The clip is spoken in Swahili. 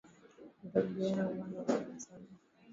Ndugu yangu anaogopa sana